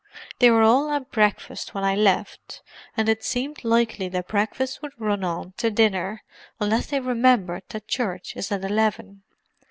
"They were all at breakfast when I left, and it seemed likely that breakfast would run on to dinner, unless they remembered that church is at eleven.